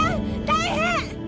大変！